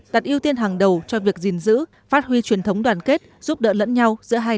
đặt ưu tiên hàng đầu cho việc gìn giữ phát huy truyền thống đoàn kết giúp đỡ lẫn nhau giữa hai